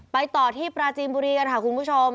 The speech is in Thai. ต่อที่ปราจีนบุรีกันค่ะคุณผู้ชม